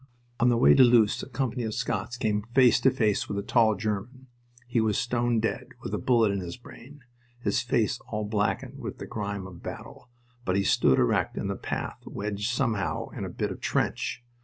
On the way to Loos a company of Scots came face to face with a tall German. He was stone dead, with a bullet in his brain, his face all blackened with the grime of battle; but he stood erect in the path, wedged somehow in a bit of trench.